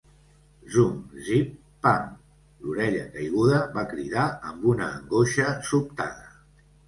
Zum-zip-pam. L'orella caiguda va cridar amb una angoixa sobtada.